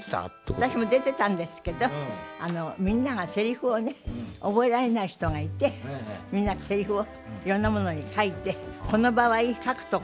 私も出てたんですけどあのみんながセリフをね覚えられない人がいてみんなセリフをいろんなものに書いてこの場合書くとこがないもんだからお豆腐に書いて。